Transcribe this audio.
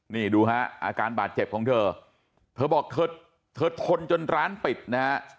นี่ดูฮะอาการบาดเจ็บของเธอเธอบอกเธอเธอทนจนร้านปิดนะฮะ